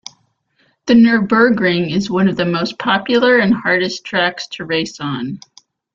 The Nurburgring is one of the most popular and hardest tracks to race on.